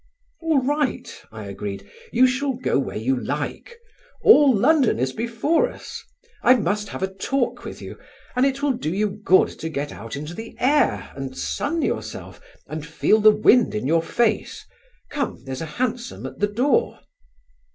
"All right," I agreed, "you shall go where you like. All London is before us. I must have a talk with you, and it will do you good to get out into the air, and sun yourself and feel the wind in your face. Come, there's a hansom at the door."